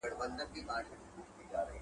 پلونه خلک سره نښلوي.